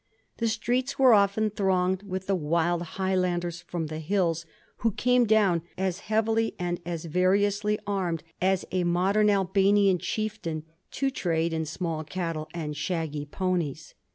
The streets were often thronged with the wild Highlanders f5pom the hiUs, who came down, as heavily and as variously armed as a modern Albanian chieftain, to trade in small cattle and shaggy^ ponies.